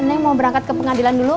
neng mau berangkat ke pengadilan dulu